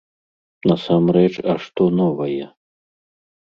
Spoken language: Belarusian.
Насамрэч, а што новае?